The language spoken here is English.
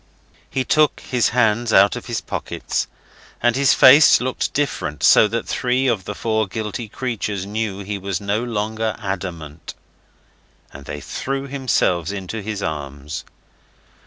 He took his hands out of his pockets, and his face looked different, so that three of the four guilty creatures knew he was no longer adamant, and they threw themselves into his arms.